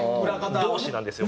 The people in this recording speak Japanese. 同志なんですよ。